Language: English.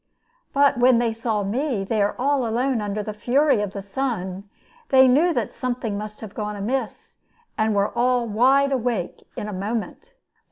But when they saw me there all alone under the fury of the sun, they knew that something must have gone amiss, and were all wide awake in a moment.